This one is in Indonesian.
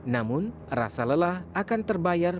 namun rasa lelah akan terbayar